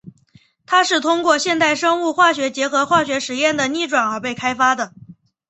它是通过现代生物化学结合化学实验的逆转而被开发的。